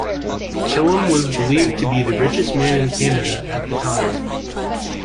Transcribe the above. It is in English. Killam was believed to be the richest man in Canada at the time.